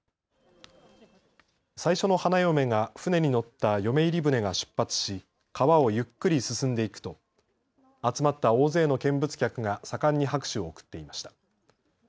最初の花嫁が舟に乗った嫁入り舟が出発し川をゆっくり進んでいくと集まった大勢の見物客が盛んに拍手を送っていました。